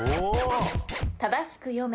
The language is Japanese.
正しく読め。